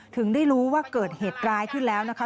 ถึงได้รู้ว่าเกิดเหตุร้ายขึ้นแล้วนะคะ